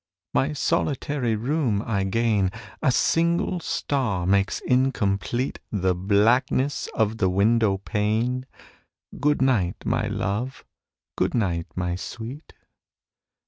My solitary room I gain. A single star makes incomplete The blackness of the window pane. Good night, my love! good night, my sweet!